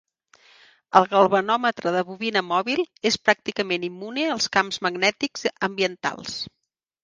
El galvanòmetre de bobina mòbil és pràcticament immune als camps magnètics ambientals.